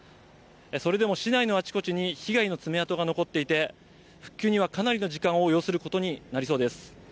それでも市内のあちこちに被害の爪痕が残っていて復旧にはかなりの時間を要することになりそうです。